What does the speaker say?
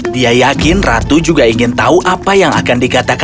dia yakin ratu juga ingin tahu apa yang akan dikatakan